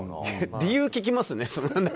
理由聞きますね。